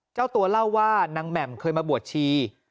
เจ้าตัวเล่าว่านางแหม่มเคยมาบวชชี